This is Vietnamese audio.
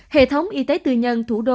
hệ thống y tế tư nhân thủ đô